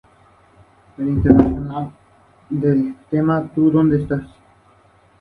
La unidad se rindió finalmente a los americanos en mayo cerca de Wittenberge-Lenzen.